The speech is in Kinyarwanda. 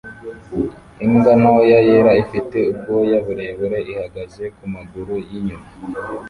Imbwa ntoya yera ifite ubwoya burebure ihagaze kumaguru yinyuma